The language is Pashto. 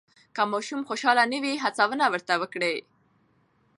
که ماشوم خوشحاله نه وي، هڅونه ورته وکړئ.